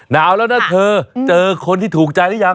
หนาวแล้วนะเธอเจอคนที่ถูกใจหรือยัง